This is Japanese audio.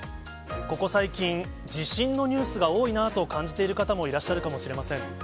ここ最近、地震のニュースが多いなと感じている方もいらっしゃるかもしれません。